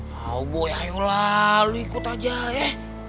mau boy ayolah lo ikut aja eh